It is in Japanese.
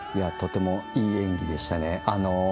とてもいい演技でしたね。